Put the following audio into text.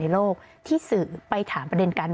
สิ่งที่ประชาชนอยากจะฟัง